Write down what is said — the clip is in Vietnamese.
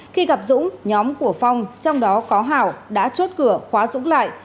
khi gặp dũng nhóm của phong trong đó có hảo đã chốt cửa khóa dũng lại